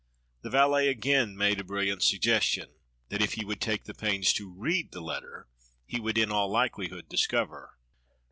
The valet again made a brilliant suggestion that if he would take the pains to read the letter he would in all likelihood discover.